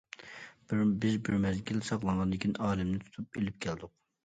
بىز بىر مەزگىل ساقلىغاندىن كېيىن ئالىمنى تۇتۇپ ئېلىپ كەلدۇق.